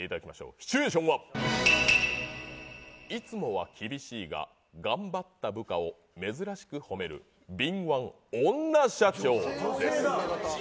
シチュエーションはいつもは厳しいが頑張った部下を珍しく褒める敏腕女社長です。